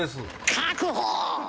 確保！